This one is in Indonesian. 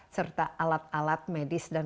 serta alat alat medis dan